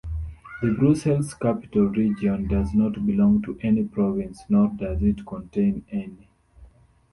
The Brussels-Capital Region does not belong to any province, nor does it contain any.